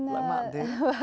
lãi mạn thế